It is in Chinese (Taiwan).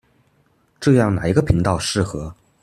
這樣哪一個頻道適合